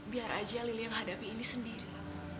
biar aja lili yang hadapi ini sendiri